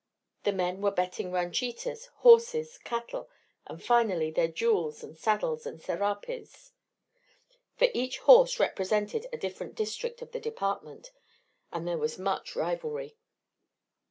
The men were betting ranchitas, horses, cattle, and, finally, their jewels and saddles and serapes. For each horse represented a different district of the Department, and there was much rivalry.